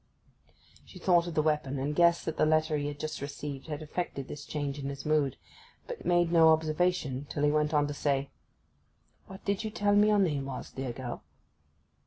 She thought of the weapon, and guessed that the letter he had just received had effected this change in his mood, but made no observation till he went on to say, 'What did you tell me was your name, dear girl?